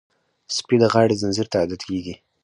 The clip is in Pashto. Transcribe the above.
سپي د غاړې زنځیر ته عادت کېږي.